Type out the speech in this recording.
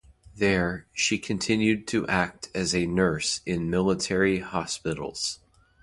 There, she continued to act as a nurse in military hospitals.